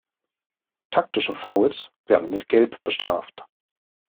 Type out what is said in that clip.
Taktische Fouls werden mit Gelb bestraft.